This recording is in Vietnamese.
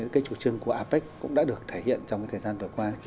cái chủ trương của apec cũng đã được thể hiện trong cái thời gian vừa qua